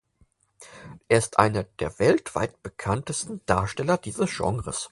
Er ist einer der weltweit bekanntesten Darsteller dieses Genres.